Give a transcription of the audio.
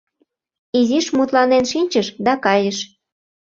Изиш мутланен шинчыш да кайыш.